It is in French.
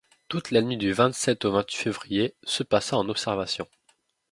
Toute la nuit du vingt-sept au vingt-huit février se passa en observations.